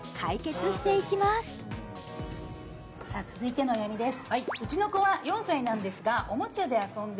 続いてのお悩みです